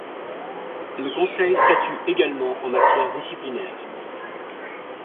Le Conseil statue également en matière disciplinaire.